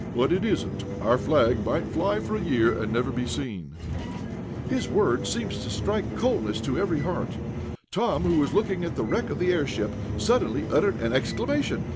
"But it isn't. Our flag might fly for a year, and never be seen." His words seemed to strike coldness to every heart. Tom, who was looking at the wreck of the airship, suddenly uttered an exclamation.